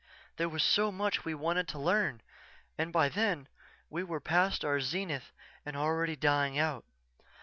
There was so much we wanted to learn and by then we were past our zenith and already dying out.